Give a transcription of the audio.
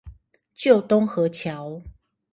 舊東河橋